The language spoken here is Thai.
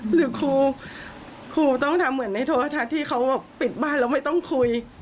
หรือครูครูต้องทำเหมือนในโทรทัศน์ที่เขาแบบปิดบ้านแล้วไม่ต้องคุย